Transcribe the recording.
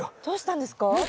どうしたんですか？